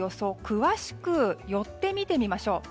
詳しく寄って見てみましょう。